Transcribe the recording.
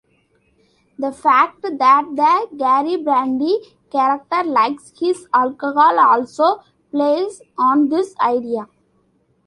The fact that the Garybrandy character likes his alcohol also plays on this idea.